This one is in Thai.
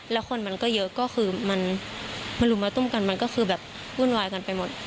แล้วคนมันก็เยอะก็คือมันมาลุมมาตุ้มกันมันก็คือแบบวุ่นวายกันไปหมด